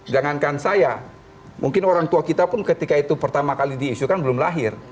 jangankan saya mungkin orang tua kita pun ketika itu pertama kali diisukan belum lahir